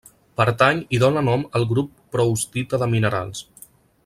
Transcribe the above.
Pertany i dóna nom al grup proustita de minerals.